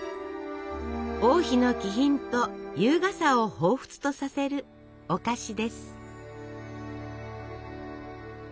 王妃の気品と優雅さをほうふつとさせるお菓子です。